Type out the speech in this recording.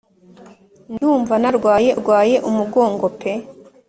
Ndumva narwaye umugongo pe